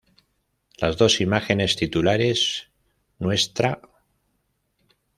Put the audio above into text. Las dos imágenes titulares, Ntra.